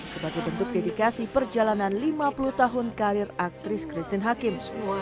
sebagai bentuk dedikasi perjalanan lima puluh tahun karir aktris christine hakim